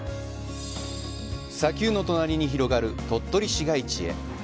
砂丘の隣に広がる鳥取市街地へ。